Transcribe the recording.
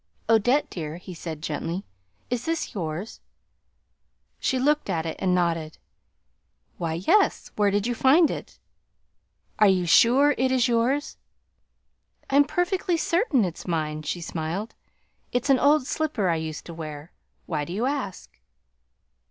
"Odette dear," he said gently, "is this yours?" She looked at it and nodded. "Why yes, where did you find it?" "Are you sure it is yours?" "I'm perfectly certain it's mine," she smiled. "It's an old slipper I used to wear. Why do you ask?"